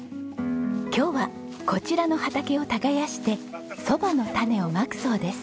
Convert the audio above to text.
今日はこちらの畑を耕してそばの種をまくそうです。